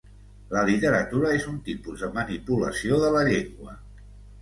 La literatura és un tipus de manipulació de la llengua.